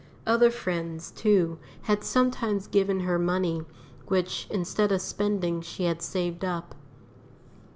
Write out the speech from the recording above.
Other friends, too, had sometimes given her money, which, instead of spending she had saved up.